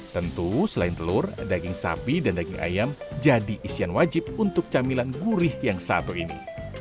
tentu selain telur daging sapi dan daging ayam jadi isian wajib untuk camilan gurih yang satu ini